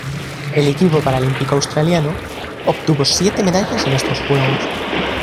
El equipo paralímpico australiano obtuvo siete medallas en estos Juegos.